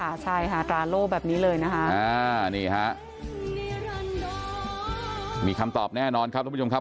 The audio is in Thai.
ใช่ค่ะตราโล่แบบนี้เลยนะคะอ่านี่ฮะมีคำตอบแน่นอนครับทุกผู้ชมครับ